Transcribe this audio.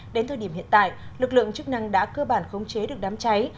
đến thời điểm hiện tại lực lượng chức năng đã cơ bản khống chế được đám cháy